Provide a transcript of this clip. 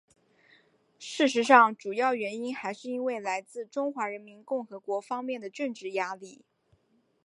事实上主要原因还是因为来自中华人民共和国方面的政治压力。